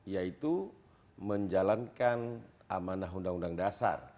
yaitu menjalankan amanah undang undang dasar